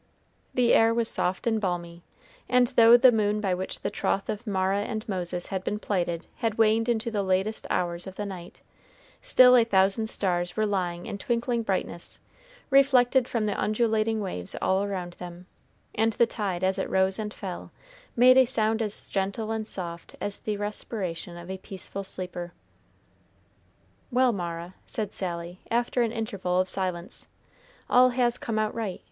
The air was soft and balmy, and though the moon by which the troth of Mara and Moses had been plighted had waned into the latest hours of the night, still a thousand stars were lying in twinkling brightness, reflected from the undulating waves all around them, and the tide, as it rose and fell, made a sound as gentle and soft as the respiration of a peaceful sleeper. "Well, Mara," said Sally, after an interval of silence, "all has come out right.